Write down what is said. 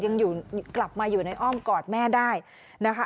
กลับมาอยู่ในอ้อมกอดแม่ได้นะคะ